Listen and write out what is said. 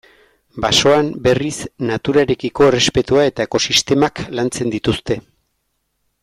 Basoan, berriz, naturarekiko errespetua eta ekosistemak lantzen dituzte.